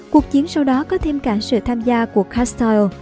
cuộc chiến sau đó có thêm cả sự tham gia của castore